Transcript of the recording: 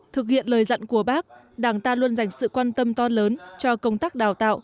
thực hiện lời dặn của bác đảng ta luôn dành sự quan tâm to lớn cho công tác đào tạo